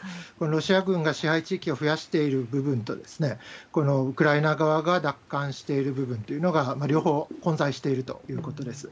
ロシア軍が支配地域を増やしている部分と、このウクライナ側が奪還している部分というのが、両方混在しているということです。